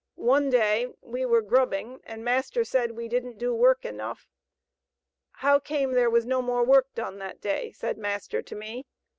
One day we were grubbing and master said we didn't do work enough. 'How came there was no more work done that day?' said master to me.